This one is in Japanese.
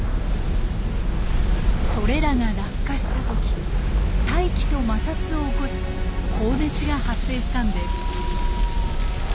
それらが落下した時大気と摩擦を起こし高熱が発生したんです。